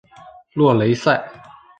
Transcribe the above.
洛雷塞。